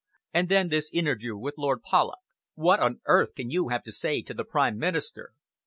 And then this interview with Lord Polloch. What on earth can you have to say to the Prime Minister?"